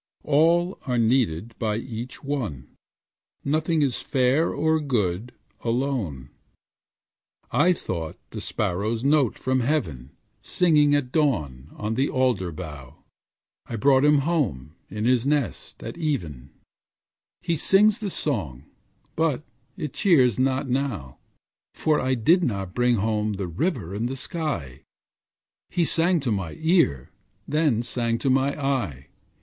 All are needed by each one; Nothing is fair or good alone. I thought the sparrow's note from heaven, Singing at dawn on the alder bough; I brought him home, in his nest, at even; He sings the song, but it cheers not now, For I did not bring home the river and sky; He sang to my ear, they sang to my eye.